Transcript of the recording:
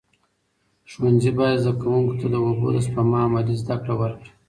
ښوونځي باید زده کوونکو ته د اوبو د سپما عملي زده کړه ورکړي.